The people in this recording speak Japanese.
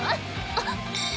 ⁉あっ。